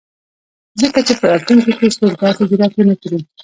ځکه چې په راتلونکي ،کې څوک داسې جرات ونه کړي.